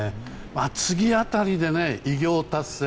次辺りで偉業達成